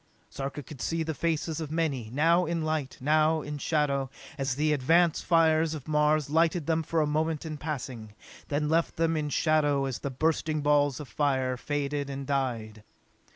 Sarka could see the faces of many, now in light, now in shadow, as the advance fires of Mars lighted them for a moment in passing, then left them in shadow as the bursting balls of fire faded and died.